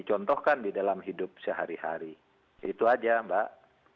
dicontohkan di dalam hidup sehari hari itu aja mbak